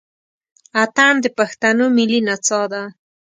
اتڼ د پښتنو ملي نڅا ده.